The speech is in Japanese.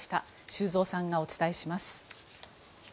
修造さんがお伝えします。